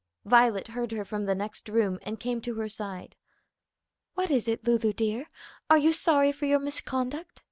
Violet heard her from the next room, and came to her side. "What is it, Lulu, dear? are you sorry for your misconduct?"